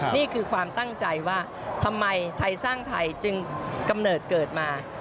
นี่คือความตั้งใจว่าทำไมไทยสร้างไทยจึงกำเนิดเกิดมา